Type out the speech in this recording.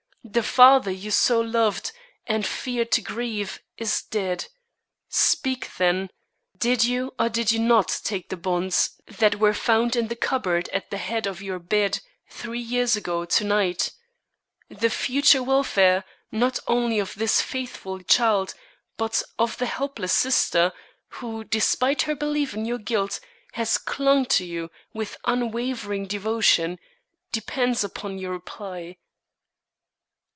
The father you so loved, and feared to grieve, is dead. Speak, then: Did you or did you not take the bonds that were found in the cupboard at the head of your bed three years ago to night? The future welfare, not only of this faithful child but of the helpless sister, who, despite her belief in your guilt, has clung to you with unwavering devotion, depends upon your reply."